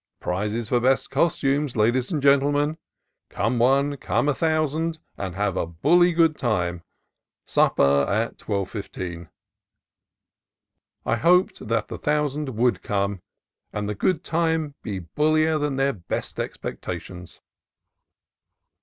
Prizes for Best Costumes, Ladies and Gentle men. Come one, come a Thousand, and have a Bully Good Time. Supper at 12.15." I hoped that the thousand would come and the good time be bul lier than their best expectations.